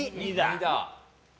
２だ。